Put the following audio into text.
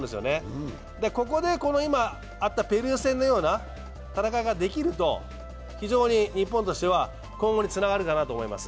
ここでペルー戦のような戦い方ができると非常に日本としては今後につながるかなと思います。